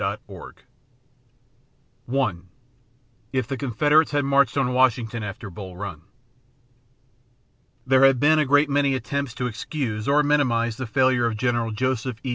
CHAPTER XXI IF THE CONFEDERATES HAD MARCHED ON WASHINGTON AFTER BULL RUN There have been a great many attempts to excuse or minimize the failure of General Joseph E.